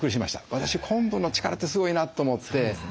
私昆布の力ってすごいなと思って。